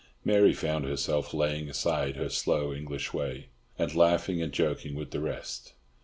Mary found herself laying aside her slow English way, and laughing and joking with the rest.